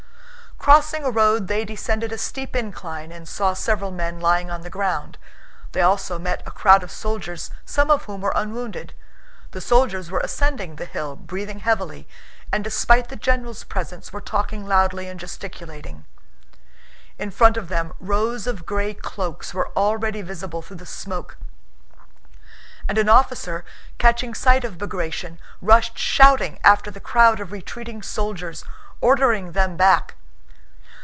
Crossing a road they descended a steep incline and saw several men lying on the ground; they also met a crowd of soldiers some of whom were unwounded. The soldiers were ascending the hill breathing heavily, and despite the general's presence were talking loudly and gesticulating. In front of them rows of gray cloaks were already visible through the smoke, and an officer catching sight of Bagratión rushed shouting after the crowd of retreating soldiers, ordering them back.